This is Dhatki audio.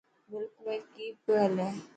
ملڪ ۾ ڪئي پيو هلي